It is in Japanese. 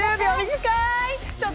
短い！